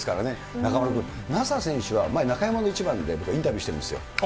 中丸君、奈紗選手は前、中山のイチバンで、僕はインタビューしているんですよ。